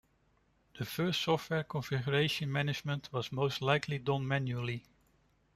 The first software configuration management was most likely done manually.